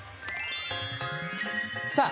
さあ